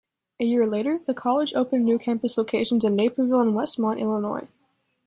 A year later, the college opened new campus locations in Naperville and Westmont, Illinois.